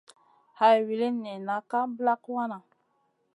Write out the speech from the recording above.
Hay wulini nina ka ɓlak wanaʼ.